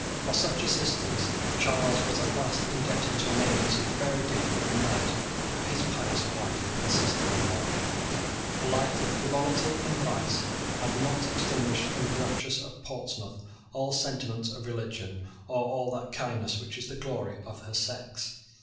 For such assistance Charles was at last indebted to an agency very different from that of his pious wife and sister in law. A life of frivolty and vice had not extinguished in the Duchess of Portsmouth all sentiments of religion, or all that kindness which is the glory of her sex.